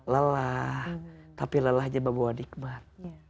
lelah tapi lelahnya membawa nikmat